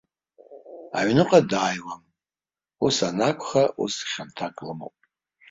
Аҩныҟа дааиуам, ус анакәха, ус хьанҭак лымоуп.